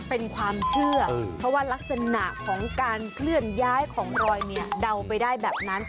เป็นความเชื่อเพราะว่ารักษณะของการเคลื่อนย้ายของรอยเนี่ยเดาไปได้แบบนั้น